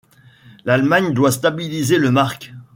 L’Allemagne doit stabiliser le mark.